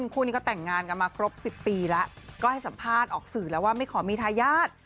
กันมาครบสิบปีแล้วก็ให้สัมภาษณ์ออกสื่อแล้วว่าไม่ขอมีทายาท